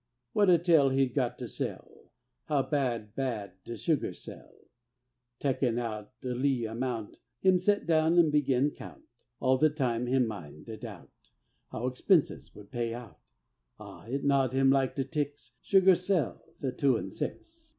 What a tale he'd got to tell, How bad, bad de sugar sell! Tekin' out de lee amount, Him set do'n an' begin count All de time him min' deh doubt How expenses would pay out; Ah, it gnawed him like de ticks, Sugar sell fe two an' six!